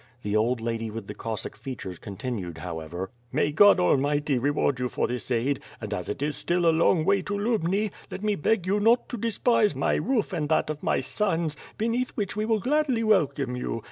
Thfe old lady with the Cossack features continued however: "May God Almighty reward you for this aid; and as it is still a long way to Lubni, let me beg you' not to despise my roof and that of my sons, beneath which we will gladly wel come you.